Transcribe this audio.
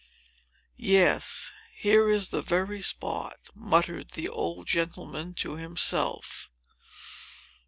"Yes; here is the very spot!" muttered the old gentleman to himself.